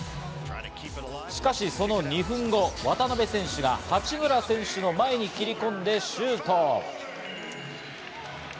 しかし、その２分後、渡邊選手が八村選手の前を切り込んでシュート。